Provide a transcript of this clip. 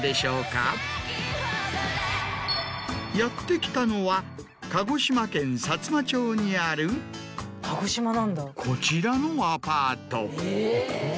やって来たのは鹿児島県さつま町にあるこちらのアパート。